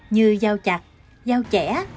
như dao chặt dao chẻ